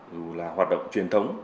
dù là hoạt động truyền thống